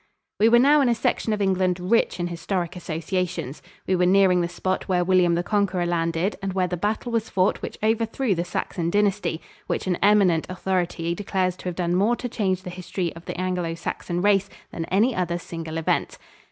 We were now in a section of England rich in historic associations. We were nearing the spot where William the Conqueror landed and where the battle was fought which overthrew the Saxon dynasty which an eminent authority declares to have done more to change the history of the Anglo Saxon race than any other single event.